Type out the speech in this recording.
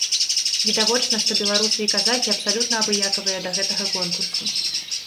Відавочна, што беларусы і казахі абсалютна абыякавыя да гэтага конкурсу.